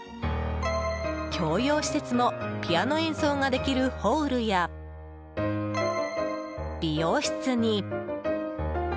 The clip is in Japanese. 共用施設もピアノ演奏ができるホールや美容室に。